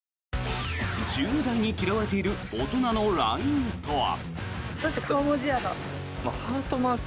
１０代に嫌われている大人のＬＩＮＥとは？